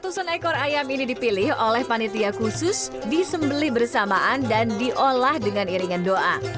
ratusan ekor ayam ini dipilih oleh panitia khusus disembeli bersamaan dan diolah dengan iringan doa